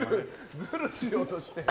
ずるしようとして。